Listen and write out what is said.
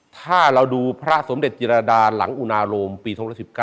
ถ้าเราดูพระสมเด็จจิรดาหลังอุณาโรมปี๒๑๙